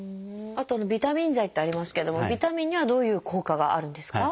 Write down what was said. あとビタミン剤ってありますけどもビタミンにはどういう効果があるんですか？